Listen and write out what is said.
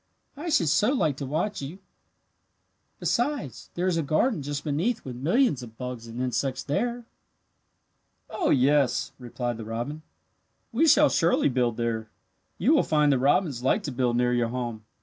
"I should so like to watch you. Besides, there is a garden just beneath with millions of bugs and insects there." "Oh, yes," replied the robin. "We shall surely build there. You will find that robins like to build near your home.